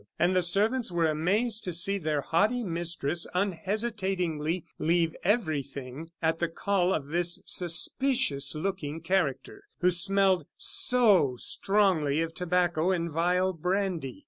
And the servants were amazed to see their haughty mistress unhesitatingly leave everything at the call of this suspicious looking character, who smelled so strongly of tobacco and vile brandy.